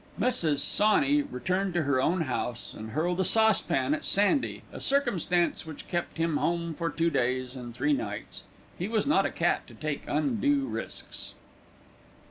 Mrs. Sawney returned to her own house and hurled a saucepan at Sandy, a circumstance which kept him from home for two days and three nights he was not a cat to take undue risks.